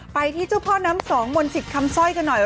ไปที่เจ้าพ่อน้ำ๒บน๑๐คำสร้อยกันหน่อย